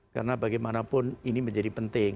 karena bagaimanapun ini menjadi penting